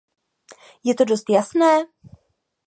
Je to dost jasné?